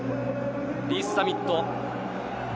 リース＝ザミット。